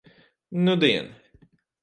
Nudien.